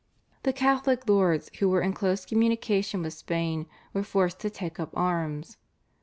The Catholic lords who were in close communication with Spain were forced to take up arms.